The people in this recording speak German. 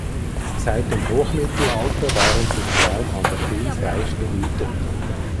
Seit dem Hochmittelalter waren sie im Raum an der Vils reich begütert.